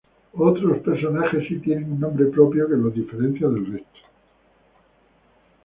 Otros personajes sí tienen un nombre propio que los diferencia del resto.